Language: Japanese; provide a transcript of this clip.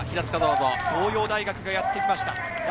東洋大学がやってきました。